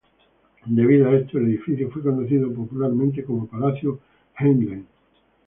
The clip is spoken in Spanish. Debido a esto, el edificio fue conocido popularmente como "Palacio Heinlein".